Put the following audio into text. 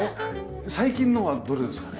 最近のはどれですかね？